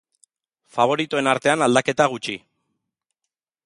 Faboritoen artean aldaketa gutxi.